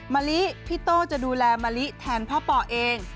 มะลิพี่โต้จะดูแลมะลิแทนพ่อป่อเอง